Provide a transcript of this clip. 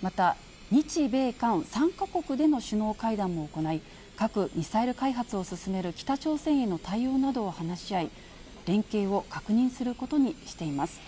また、日米韓３か国での首脳会談も行い、核・ミサイル開発を進める北朝鮮への対応などを話し合い、連携を確認することにしています。